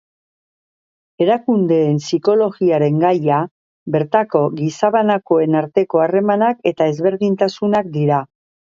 Erakundeen psikologiaren gaia bertako gizabanakoen arteko harremanak eta ezberdintasunak dira.